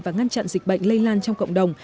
và ngăn chặn dịch bệnh lây lan trong cộng đồng